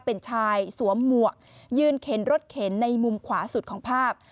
เป็นชายสวมหมวกยืนเข็นรถเข็นในมุมขวาสุดของภาพ